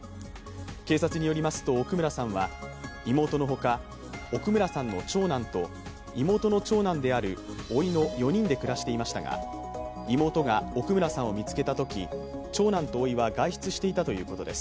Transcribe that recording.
警察によりますと奥村さんは妹のほか、奥村さんの長男と妹の長男である、おいの４人で暮らしていましたが、妹が奥村さんを見つけたとき、長男とおいは外出していたということです。